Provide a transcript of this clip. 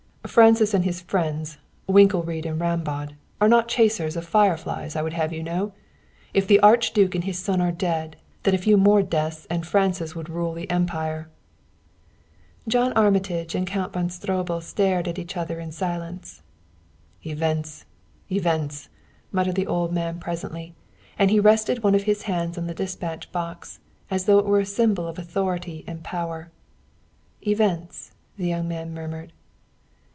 Francis and his friends, Winkelried and Rambaud, are not chasers of fireflies, I would have you know. If the Archduke and his son are dead, then a few more deaths and Francis would rule the Empire." John Armitage and Count von Stroebel stared at each other in silence. "Events! Events!" muttered the old man presently, and he rested one of his hands upon the despatch box, as though it were a symbol of authority and power. "Events!" the young man murmured.